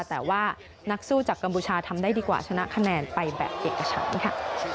แต่ว่านักสู้จากกัมพูชาทำได้ดีกว่าชนะคะแนนไปแบบเอกชั้นค่ะ